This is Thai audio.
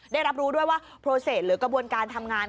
ได้รับรู้ด้วยว่าโปรเศสหรือกระบวนการทำงาน